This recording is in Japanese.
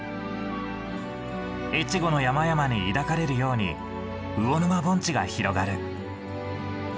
越後の山々に抱かれるように魚沼盆地が広がる。